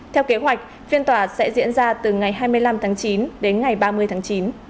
theo kế hoạch phiên tòa sẽ diễn ra từ ngày hai mươi năm tháng chín đến ngày ba mươi tháng chín